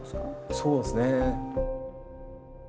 そうですね。